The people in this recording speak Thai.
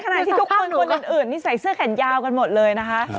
ไปดูแล้วเลย